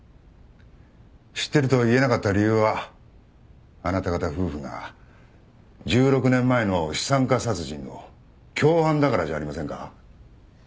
知ってるとは言えなかった理由はあなた方夫婦が１６年前の資産家殺人の共犯だからじゃありませんか？